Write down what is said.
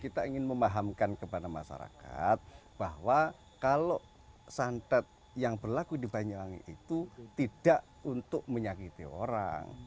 kita ingin memahamkan kepada masyarakat bahwa kalau santet yang berlaku di banyuwangi itu tidak untuk menyakiti orang